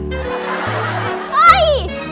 เฮ้ย